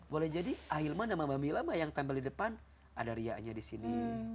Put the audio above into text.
boleh jadi ahilman sama mbak mila mah yang tampil di depan ada riaknya di sini